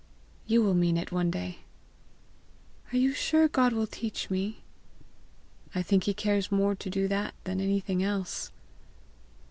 "You will mean it one day." "Are you sure God will teach me?" "I think he cares more to do that than anything else."